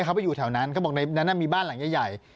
เขาไปอยู่แถวนั้นเขาบอกในนั้นมีบ้านหลังใหญ่